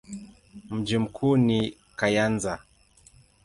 Mji mkuu ni Kayanza.